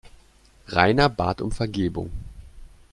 Rainer bat um Vergebung.